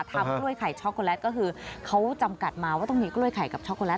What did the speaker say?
กล้วยไข่ช็อกโกแลตก็คือเขาจำกัดมาว่าต้องมีกล้วยไข่กับช็อกโกแล